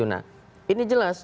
nah ini jelas